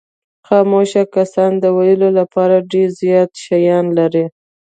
خاموش کسان د ویلو لپاره ډېر زیات شیان لري.